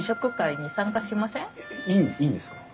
えいいんですか？